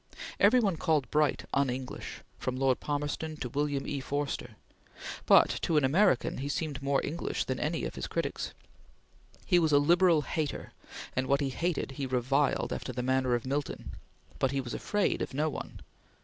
Every one called Bright "un English," from Lord Palmerston to William E. Forster; but to an American he seemed more English than any of his critics. He was a liberal hater, and what he hated he reviled after the manner of Milton, but he was afraid of no one.